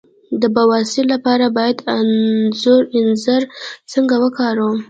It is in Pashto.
د بواسیر لپاره باید انځر څنګه وکاروم؟